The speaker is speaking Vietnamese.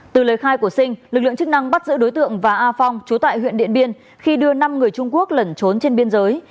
từ lời khai của sinh lực lượng chức năng bắt giữ đối tượng và a phong chú tại huyện điện biên khi đưa năm người trung quốc lẩn trốn trên biên giới